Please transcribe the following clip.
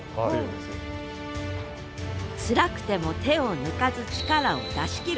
つらくても手を抜かず力を出し切る。